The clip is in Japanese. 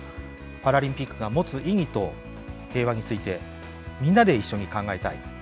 パラリンピックが持つ意義と、平和について、みんなで一緒に考えたい。